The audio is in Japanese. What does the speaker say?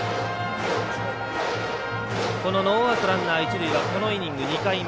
ノーアウト、ランナー、一塁はこのイニング２回目。